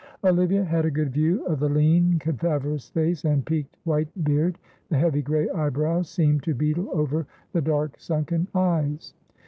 Olivia had a good view of the lean, cadaverous face and peaked white beard; the heavy grey eyebrows seemed to beetle over the dark sunken eyes.